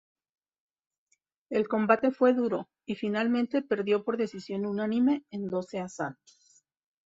El combate fue duro y finalmente perdió por decisión unánime en doce asaltos.